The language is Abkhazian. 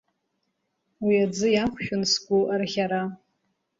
Уи аӡы иахәшәын сгәы арӷьара.